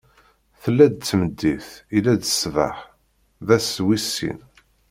Tella-d tmeddit, illa-d ṣṣbeḥ: d ass wis sin.